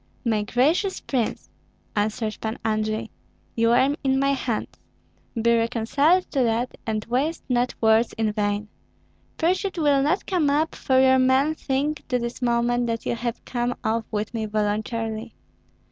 "My gracious prince," answered Pan Andrei, "you are in my hands; be reconciled to that, and waste not words in vain. Pursuit will not come up, for your men think to this moment that you have come off with me voluntarily.